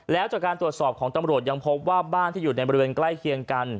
แล้วจากการตรวจสอบของตำรวจยังพบว่าบ้านที่อยู่ในบริเวณใกล้เคียงกัน